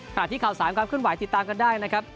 ขณะที่ข่าวสารความขึ้นไหวติดตามกันได้นะครับ